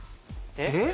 えっ？